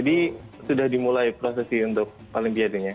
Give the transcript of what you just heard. jadi sudah dimulai prosesi untuk olimpiadenya